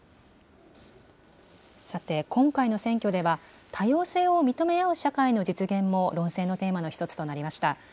さて、今回の選挙では、多様性を認め合う社会の実現も論戦のテーマの一つとなりました。